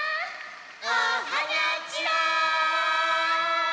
おはにゃちは！